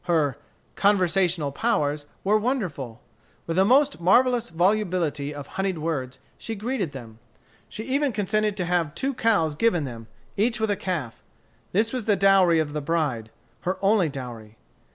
Her "conversational powers" were wonderful. With the most marvellous volubility of honeyed words she greeted them. She even consented to have two cows given them, each with a calf. This was the dowry of the bride her only dowry.